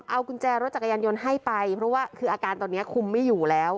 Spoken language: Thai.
เอากุญแจรถจักรยานยนต์ให้ไปเพราะว่าคืออาการตอนนี้คุมไม่อยู่แล้ว